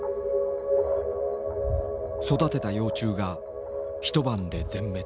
育てた幼虫が一晩で全滅。